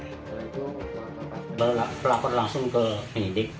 belakang pelapor langsung ke penyidik